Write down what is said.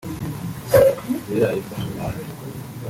Abatoranyijwe batangiye umwiherero ni Umutoni Pamella